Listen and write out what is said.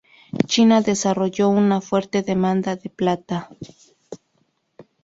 China desarrolló una fuerte demanda de plata.